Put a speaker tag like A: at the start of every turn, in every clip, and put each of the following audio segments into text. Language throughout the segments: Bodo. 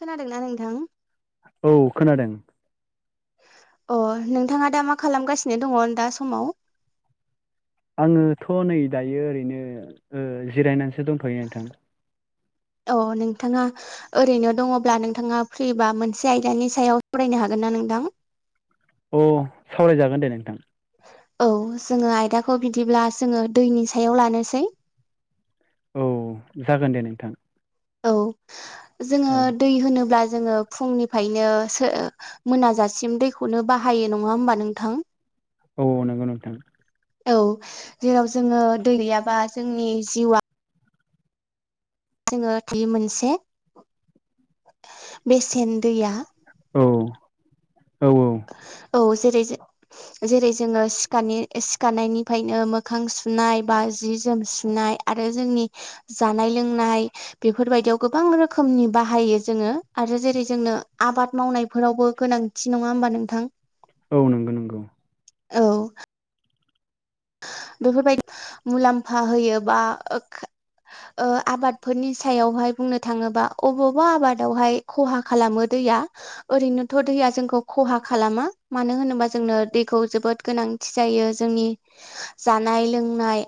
A: खोनादोंना नोंथां?
B: औ खोनादों।
A: अ नोंथाङा दा मा खालामगासिनो दङ दा समाव?
B: आङोथ' नै दायो ओरैनो ओ जिरायनानैसो दंथयो नोंथां।
A: अ नोंथाङा ओरैनो दङब्ला नोंथाङा फ्रिबा मोनसे आयदानि सायाव फरायनो हागोन ना नोंथां?
B: अ सावरायजागोन दे नोंथां।
A: औ जोङो आयदाखौ बिदिब्ला जोङो दैनि सायाव लानोसै।
B: औ जागोन दे नोंथां।
A: औ जोङो
B: औ
A: दै होनोब्ला जोङो फुंनिफ्रायनोो मोनाजासिम दैखौनो बाहायो नङा होमबा नोंथां?
B: औ औ नंगौ नोंथां।
A: औ जेराव जोङो दै गैयाबा जोंनि जिउआ जोङो थि मोनसे बेसेन दैया
B: औ औ
A: औ जेरै जो जेरै जोङो सिखार सिखारनायनिफ्रायनो मोखां सुनाय बा जि जोम सुनाय आरो जोंनि जानाय लोंनाय बेफोरबायदियाव गोबां रोखोमनि बाहायो जोङो आरो जेरै जोंनो आबाद मावनायफोरावबो गोनां थि नङा होमबा नोंथां
B: औ नंगौ नंगौ।
A: औ बेफोरबायदि मुलाम्फा होयो बा ओ आबादफोरनि सायावहाय बुंनो थाङोबा अबावबा आबादावहाय खहा खालामो दैया ओरैनोथ' दैया जोंखौ खहा खालामा मानो होनोबा जोंनो दैखौ जोबोद गोनां थि जायो जोंनि जानाय लोंनाय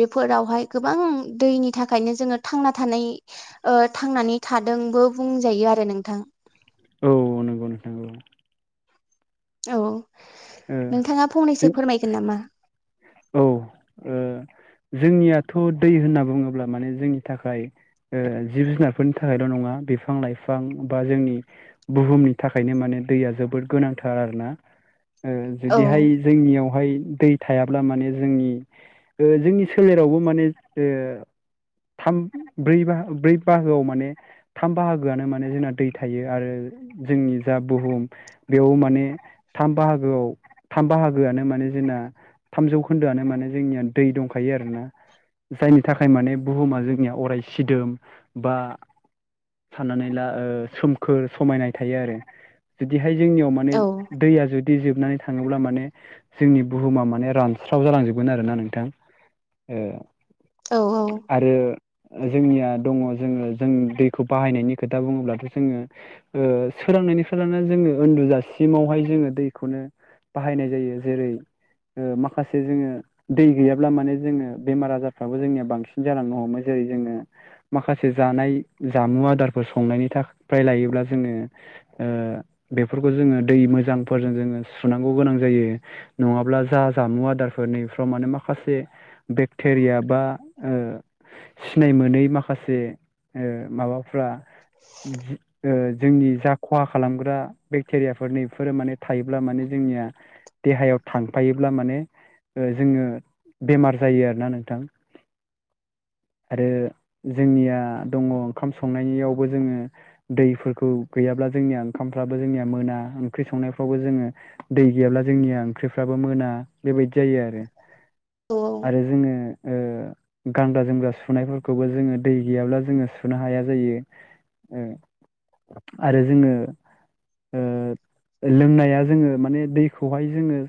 A: बेफोरावहाय गोबां दैनि थाखायनो जोङो थांना थानाय थांनानै थादोंबो बुंजायो आरो नोंथां।
B: औ नंगौ नोंथां औ।
A: औ
B: ओ
A: नोंथाङा फंनैसो
B: जों
A: फोरमायगोन नामा?
B: औ ओ जोंनियाथ' दै होनना बुङोब्ला माने जोंनि थाखाय जिब जुनारफोरनि थाखायल' नङा बिफां लाइफां बा जोंनि बुहुमनि थाखायनो माने दैया जोबोद गोनांथार आरो ना। ओं
A: औ
B: जुदिहाय जोंनियावहाय दै थायाब्ला माने जोंनि जोंनि सोलेरावबो माने ए थाम ब्रै बा ब्रै बाहागोआव माने थाम बाहागोआनो माने जोंना दै थायो आरो जोंनि जा बुहुम बेयाव माने थाम बाहागो गोआव थाम बाहागोआनो माने जोंना थामजौ खोन्दोआनो माने जोंनिया दै दंखायो आरोना जायनि थाखाय माने बुहुमा जोंनिया अराय सिदोम बा साननानै ला ओ सोमखोर समायनाय थायो आरो जुदिहाय जोंनियाव माने
A: औ
B: दैया जु बिदि जोबनानै थाङोब्ला माने जोंनि बुहुमा माने रानस्राव जालांजोबगोन आरोना नोंथां ओ
A: औ
B: आरो जोंनिया दङ जोङो जों दैखौ बाहायनायनि खोथा बुङोब्लाथ' जोङो ओ सोरांनायनिफ्राय लानानै जोङो उन्दुजासिमावहाय जोङो दै खौनो बाहायनाय जायो जेरै माखासे जोङो दै गैयाब्ला माने जोङो बेमार आजारफ्राबो जोंनिया बांसिन जालांनो हमो जेरै जोङो माखासे जानाय जामु आदारफोर संनायनि थाखाय फ्राय लायोब्ला जोङो ओ बेफोरखौ जोङो दै मोजां फोरजों जोङो सुनांगौ गोनां जायो नङाब्ला जा जामु आदारफोर नैफ्राव माने माखासे बेक्टेरिया बा ओ सिनाय मोनै माखासे ओ माबा फ्रा जि ओ जोंनि जा खहा खालामग्रा बेक्टेरियाफोर नैफोरो माने थायोब्ला माने जोंनिया देहायाव थांफायोब्ला माने ओ जोङो बेमार जायो आरोना नोंथां आरो जोंनिया दङ ओंखाम संनायनियिवबो जोङो दैफोरखौ गैयाब्ला जोंनिया ओंखामफ्राबो जोंनिया मोना ओंख्रि संनाय फ्रावबो जोङो दै गैयाब्ला जोंनिया ओंख्रिफ्राबो मोना बेबायदि जायो आरो
A: औ
B: आरो जोङो ओ गानग्रा जोमग्रा सुनायफोरखौबो जोङो दै गैयाब्ला जोङो सुनो हाया जायो। ओ आरो जोङो ओ ओ लोंनाया जोङो माने दैखौहाय जोङो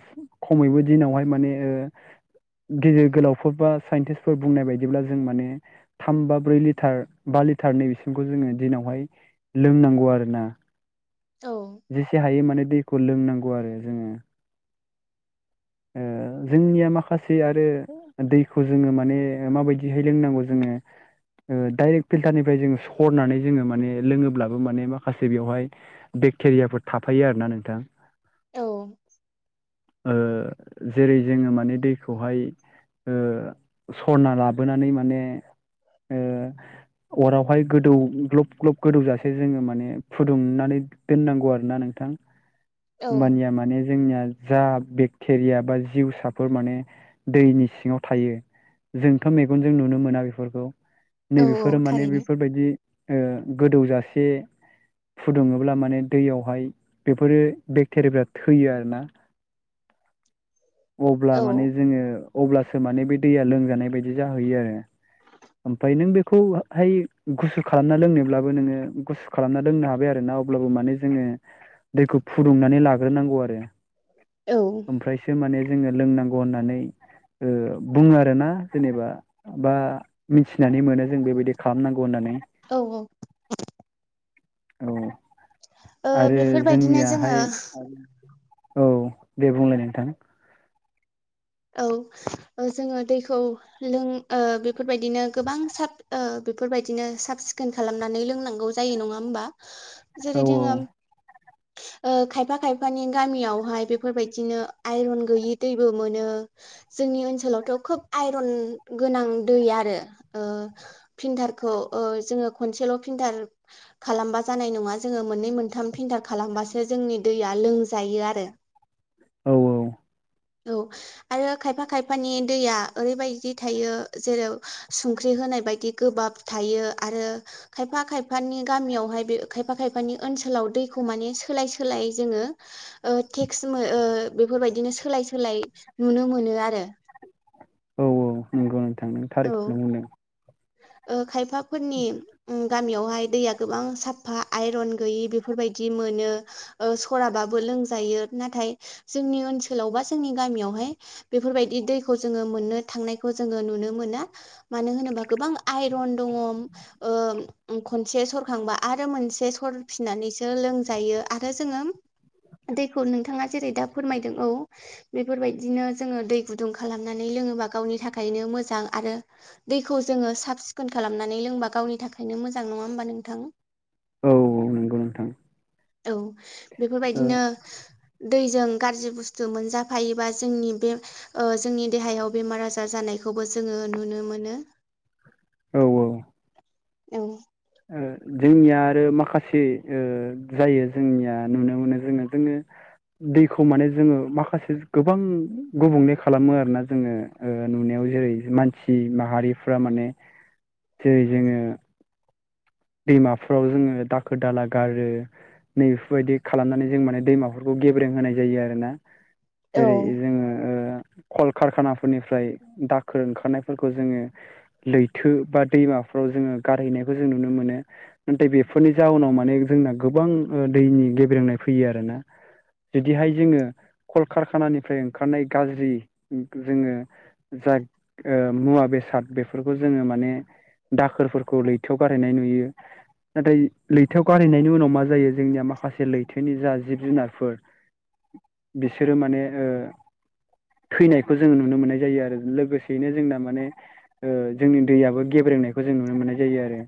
B: खमैबो दिनावहाय माने ओ गेदेर गोलावफोर बा साइन्टिस्टफोर बुंनाय बायदिब्ला जों माने थाम बा ब्रै लिटार बा लिटार नैबेसिमखौ जोङो दिनावहाय लोंनांगौ आरो ना
A: औ
B: जेसे हायो माने दैखौ लोंनांगौ आरो जोङो ओ जोंनिया माखासे आरो दैखौ जोङो माने माबायदिहाय लोंनांगौ जोङो दडाइरेक्ट फिल्टारनिफ्राय जोङो सरनानै जोङो माने लोङोब्लाबो माने माखासे बेवहाय बेक्टेरियाफोर थाफायो आरोना नोंथां।
A: औ।
B: ओ जेरै जोङो माने दैखौहाय ओ सरना लाबोनानै माने ओ अरावहाय गोदौ ग्लब ग्लब गोदौजासे जोङो माने फुदुंनानै दोननांगौ आरो ना नोंथां
A: औ
B: होमबानिया माने जोंनिया जा बेक्ट टेरिया बा जिउसाफोर माने दैनि सिङाव थायो। जोंथ' मेगनजों नुनो मोना बेफोरखौ
A: औ
B: नैबेफोरो माने
A: थारैनो
B: बेफोरबायदि ओ गोदौजासे फुदुङोब्ला माने दैयावहाय बेफोरो बेक्टेरियाफ्रा थैयो आर ना अब्ला
A: औ
B: माने जोङो अब्लासो माने बे दैया लोंजानाय बायदि जाहैयो आरो ओमफ्राय नों बेखौहाय गुसु खालामना लोंनोब्लाबो नोङो गु खालामना दोननो हाबाय आरो ना अब्लाबो माने जोङो दैखौ फुदुंनानै लाग्रोनांगौ आरो
A: औ
B: फ्रायसो माने जोङो लोंनांगौ होननानै बुङो आरोना जेनेबा बा मिथिनानै मोनो जों बेबायदि खालामनांगौ होननानै।
A: औ औ।
B: औ आरो जोंनियाहाय
A: आरो
B: औ दे बुंलाय नोंथां।
A: औ जोङो दैखौ लों ओ बेफोरबायदिनो गोबां ओ साब बेफोरबायदिनो सफ सिखोन खालामनानै लोंनांगौ जायो नङा होमबा?
B: औ
A: जेरै जोङो खायफा खायफानि गामियावहाय बेफोरबायदिनो आइरन गैयि दैबो मोनो। जोंनि ओनसोलावथ' खोब आइरन गोनां दै आरो। ओ फिनथारखौ जोङ ओ खनसेल' फिनथार खालामबा जानाय नङा जोङो मोननै मोनथाम फिलटार खालामबासो जोंनि दैया लोंजायो आरो।
B: औ औ।
A: औ। आरो खायफा खायफानि दैया ओरैबायदि थायो जेराव संख्रि होनाय बायदि गोबाब थायो आरो खायफा खायफानि गामियावहाय बे खायफा खायफानि ओनसोलाव दैखौ माने सोलाय सोलाय जोङो ओ टेक्स ओ बेफोरबायदिनो सोलाय सोलाय नुनो मोनो आरो।
B: औ औ नंगौ आं थांदों
A: औ
B: थारिखखौनो बुंदों।
A: ओ खायफाफोरनि गामियावहाय दैया गोबां साफा आइरन गैयि बेफोरबायदि मोनो। ओ सराबाबो लोंजायो नाथाय जोंनि ओनसोलाव बा जोंनि गामियावहाय बेफोरबायदि दैखौ जोङो मोननो थांनायखौ जोङो नुनो मोना मानो होनोबा गोबां आइरन दङ। ओ खनसे सरखांबा आरो मोनसे सरफिननानैसो लोंजायो, आरो जोङो दैखौ नोंथाङा जेरै दा फोरमायदों औ बेफोरबायदिनो जोङो दै गुदुं खालामनानै लोङोबा गावनि थाखायनो मोजां। आरो दैखौ जोङो सफ सिखोन खालामनानै लोंबा गावनि थाखायनो मोजां नङा होमबा नोंथां?
B: औ औ नंगौ नोंथां।
A: औ बेफोरबायदिनो
B: ओ
A: दैजों गाज्रि बुस्थु मोनजाफायोबा जोंनि बे ओ जोंनि देहायाव बेमार आजार जानायखौबो जोङो नुनो मोनो।
B: औ औ।
A: औ।
B: ओ जोंनिया आरो माखासे ओ जायो जोंनिया नुनो मोनो जोङो जोङो दैखौ माने जोङो माखासे गोबां गुबुंले खालामो आरोना जोङो। ओ नुनायाव जेरै मानसि माहारिफ्रा माने जेरै जोङो दैमाफ्राव जोङो दाखोर दाला गारो नै बेफोरबायदि खालामनानै जों माने दैमाफोरखौ गेब्रें होनाय जायो आरोना।
A: औ
B: जेरै जोङो ओ कलकारखानाफोरनिफ्राय दाखोर ओंखारनायफोरखौ जोङो लैथो बा दैमाफ्राव जोङो गारहैनायखौ जों नुनो मोनो। नाथाय बेफोरनि जाहोनाव माने जोंना गोबां दैनि गेब्रेंनाय फैयो आरोना। जुदिहाय जोङो कलकारखानानिफ्राय ओंखारनाय गाज्रि जोङो जा ओ मुवा बेसाद बेफोरखौ जोङो माने दाखोरफोरखौ लैथोयाव गारायनाय नुयो।
A: [inaudible]
B: नाथाय लैथोआव गारहैनायनि उनाव मा जायो जोंनिया माखासे लैथोनि जा जिब जुनारफोर बिसोरो माने ओ थैनायखौ जोङो नुनो मोननाय जायो आरो लोगोसेयैनो जोंना माने ओ जोंनि दैयाबो गेब्रेंनायखौ जों नुनो मोननाय जायो आरो।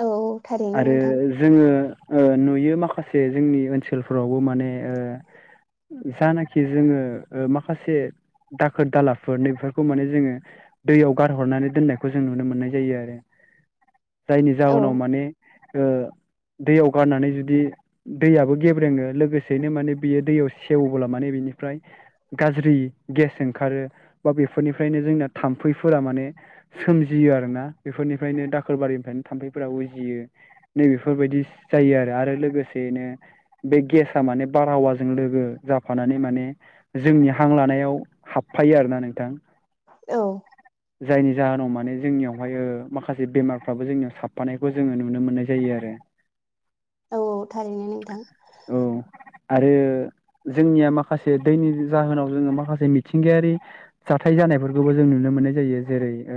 A: औ थारैनो
B: आरो
A: नोंथां
B: जोङो ओ नुयो माखासे जोंनि ओनसोलफोरावबो माने ओ जानाखि जोङो ओ माखासे दाखोर दालाफोर नैफोरखौ माने जोङो दैयाव गारहरनानै दोननायखौ जों नुनो मोननाय जायो आरो। जायनि
A: औ
B: जाहोनाव माने ओ दैयाव गारनानै जुदि दैयाबो गेब्रेङो लोगोसेैनो माने बेयो दैयाव सेवला माने बिनिफ्राय गाज्रि गेस ओंखारो बा बेफोरनिफ्रायनो जोंना थाम्फैफोरा माने सोमजियो आरोना बेफोरनिफ्रायनो दाखोरबारिनिफ्रायनो थाम्फैफोरा उजियो। नै बेेफोरबायदि जायो आरो आरो लोगोसेनो बे गेस माने बारहावाजों लोगो जाफानानै माने जोंनि हां लानायाव हाबफायो आरोना नोंथां।
A: औ
B: जायनि जाहोनाव माने जोंनियावहाय ओ माखासे बेमार फाबो जोंनियाव साफानायखौ जोङो नुनो मोननाय जायो आरो।
A: औ औ थारैनो नोंथां।
B: औ आरो जोंनिया माखासे दैनि जाहोनाव जोङो माखासे मिथिंगायारि जाथाय जानायफोरखौबो जों नुनो मोननाय जायो जेरै ओ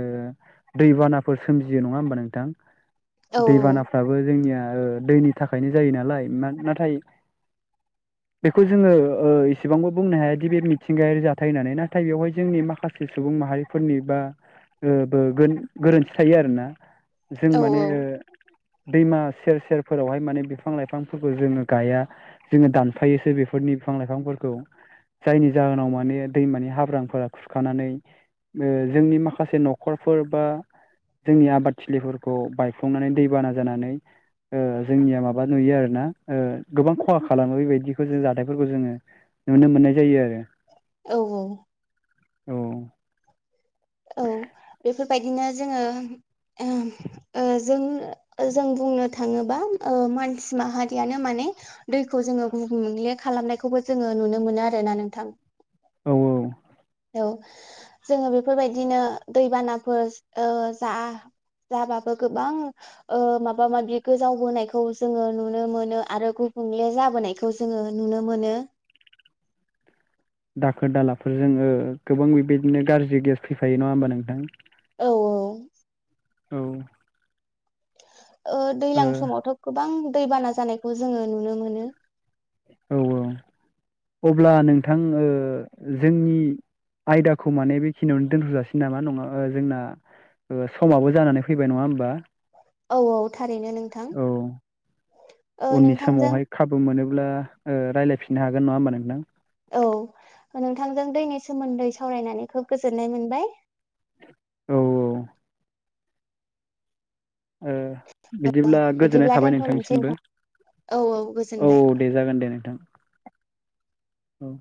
B: दैबानाफोर सोमजियो नङा होमबा नों
A: औ
B: दैबानाफ्राबो जोंनिया ओ दैनि थाखायनो जायो नालाय नाथाय
A: [inaudible]
B: बेखौ जोङो ओ एसेबांबो बुंनो हाया दि बे मिथिंगायारि जाथाय होननानै नाथाय बेवहाय जोंनि माखासे सुबुं माहारि फोरनिबा ब गोरोन्थि थायो आरोना जों
A: औ
B: माने ओ दैमा सेर सेरफोरावहाय माने बिफां लाइफांफोरखौ जोङो गाया। जोङो दानफायोसो बेफोरनि बिफां लाइफांफोरखौ। जायनि जाहोनाव माने दैमानि हाब्रांफोरा खुरखानानै ओ जोंनि माखासे न'खरफोर बा जोंनि आबादथिलिफोर खौ बायफ्लंनानै दैबाना जानानै ओ जोंनिया माबा नुयो आरोना ओ गोबां खहा खालामो बेबायदिखौ जों जाथायफोरखौ जोङो नुनो मोननाय जायो आरो।
A: औ औ।
B: औ
A: औ बेफोरबायदिनो जोङो ओहम ओ जों-जों बुंनो थाङोबा ओ मानसि माहारियानो माने दैखौ जोङो गुबुंले खालामनायखौबो जोङो नुनो मोनो आरो ना नोंथां।
B: औ औ
A: औ जोङो बेफोरबायदिनो दैबानाफोर ओ जा जाबाबो गोबां ओ माबा माबि गोजावबोनायखौ जोङो नुनो मोनो आरो गुबुंले जाबोनाय खौ जोङो नुनो मोनो।
B: दाखोर दालाफोरजों ओ गोबां बेबायदिनो गाज्रि गेस फैफायो नङा होमबा नोंथां?
A: औ औ
B: औ
A: ओ दैजलां समावथ' गोबां दैबाना जानायखौ जोङो नुनो मोनो।
B: औ औ अब्ला नोंथां ओ जोंनि आयदाखौ माने बेखिनियावनो दोनथ'जासिै नामा नङा जोंना समाबो जानानै फैबाय नङा होमबा?
A: औ औ थारैनो नोंथां।
B: औ
A: ओ
B: उननि
A: नोंथांजों
B: समावहाय खाबु मोनोब्ला ओ रायज्लायफिननो हागोन नङा होमबा नोंथां?
A: औ नोंथांजों दैनि सोमोन्दै सावरायनानै खोब गोजोननाय मोनबाय।
B: औ औ। ओ बिदिब्ला गोजोननाय
A: बिदिब्ला
B: थाबाय
A: दोनथ'लायनोसै
B: नोंथांनिसिमबो।
A: नोंथां औ
B: औ
A: गोजोनबाय
B: दे जागोन दे नोंथां औ।